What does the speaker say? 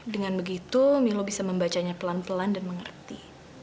dengan begitu milo bisa membacanya pelan pelan dan mengerti